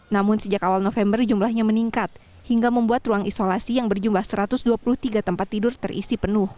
namun sejak awal november jumlahnya meningkat hingga membuat ruang isolasi yang berjumlah satu ratus dua puluh tiga tempat tidur terisi penuh